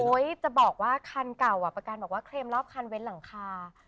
จะบอกว่าคันเก่าประกันบอกว่าเคลมรอบคันเว้นหลังคา